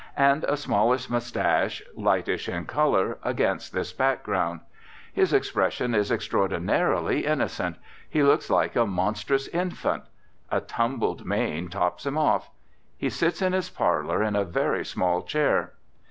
And a smallish moustache, lightish in colour against this background. His expression is extraordinarily innocent; he looks like a monstrous infant. A tumbled mane tops him off. He sits in his parlour in a very small chair.